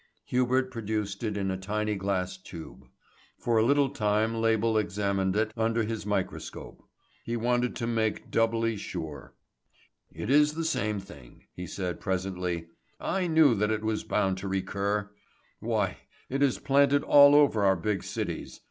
Hubert produced it in a tiny glass tube. For a little time Label examined it under his microscope. He wanted to make assurance doubly sure. "It is the same thing," he said presently. "I knew that it was bound to recur again. Why, it is planted all over our big cities.